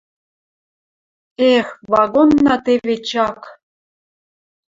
Эх, вагонна теве чак...